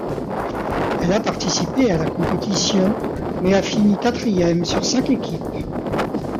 Elle a participé à la compétition mais a fini quatrième sur cinq équipes.